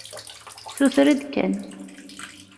Suter-d kan.